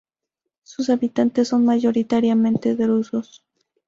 Sus habitantes son mayoritariamente drusos.